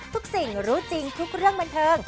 ทุกสิ่งรู้จริงทุกเรื่องบันเทิง